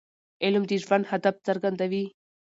علم د ژوند هدف څرګندوي.